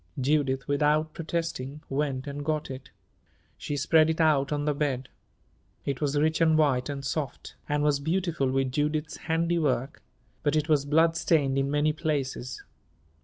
Judith, without protesting, went and got it. She spread it out on the bed. It was rich and white and soft, and was beautiful with Judith's handiwork; but it was bloodstained in many places.